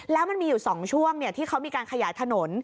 แล้วมันมีอยู่๒ช่วงที่เขามีการขยายถนน